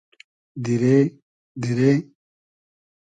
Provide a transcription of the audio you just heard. دیرې؟ دیرې؟